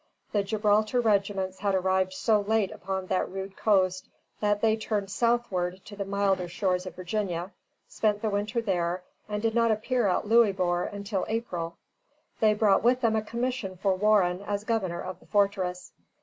The Gibraltar regiments had arrived so late upon that rude coast that they turned southward to the milder shores of Virginia, spent the winter there, and did not appear at Louisbourg till April. They brought with them a commission for Warren as governor of the fortress.